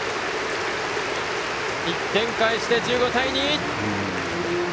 １点返して、１５対２。